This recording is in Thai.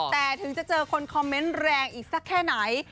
แต่ถึงจะเจอคนคอมเมนต์แรงอีกสักแค่ไหน